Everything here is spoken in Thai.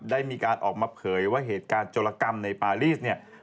ได้มีการออกมาเผยว่าเหตุการณ์โจรกรรมในปารีสเนี่ย